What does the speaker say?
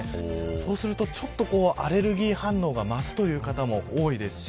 そうするとちょっとアレルギー反応が増すという方も多いですし